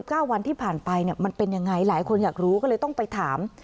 เก้าวันที่ผ่านไปเนี่ยมันเป็นยังไงหลายคนอยากรู้ก็เลยต้องไปถาม